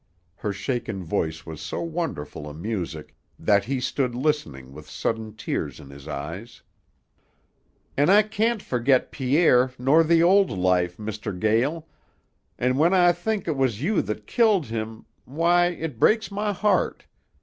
Her shaken voice was so wonderful a music that he stood listening with sudden tears in his eyes. "An' I can't ferget Pierre nor the old life, Mr. Gael, an' when I think 't was you that killed him, why, it breaks my heart.